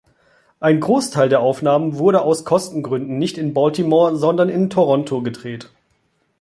Ein Großteil der Aufnahmen wurde aus Kostengründen nicht in Baltimore, sondern in Toronto gedreht.